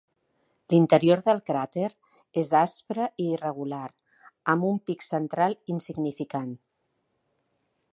L'interior del cràter és aspre i irregular, amb un pic central insignificant.